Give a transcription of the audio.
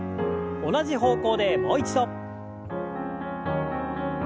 同じ方向でもう一度。